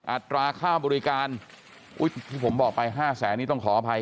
อัตราค่าบริการที่ผมบอกไป๕แสนนี้ต้องขออภัย